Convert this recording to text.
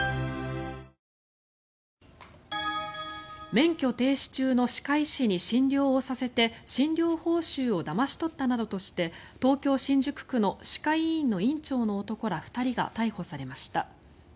免許停止中の歯科医師に診療をさせて診療報酬をだまし取ったなどとして東京・新宿区の歯科医院の院長の男ら２人が逮捕されました。